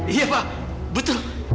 iya pak betul